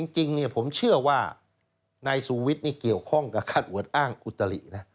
จริงผมเชื่อว่านายสูวิทย์นี่เกี่ยวข้องกับค่าอวดอ้างอุตรินะ